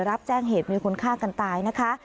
รับแจ้งเหตุมีคนฆ่ากันตายนะคะ